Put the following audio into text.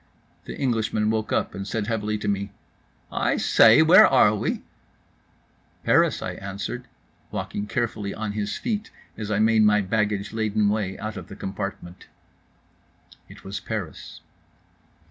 The Englishman woke up and said heavily to me: "I say, where are we?"—"Paris," I answered, walking carefully on his feet as I made my baggage laden way out of the compartment. It was Paris.